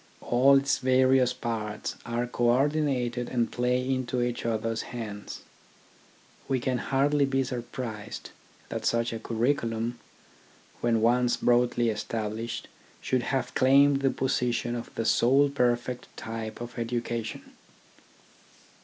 All its various parts are co ordinated and play into each other's hands. We can hardly be surprised that such a curriculum, when once broadly established, should have claimed the position of the sole perfect type of education.